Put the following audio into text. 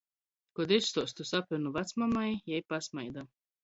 Kod izstuostu sapynu vacmamai, jei pasmaida.